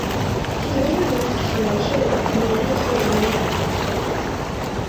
He later left for Nigeria and the United States of America to practice.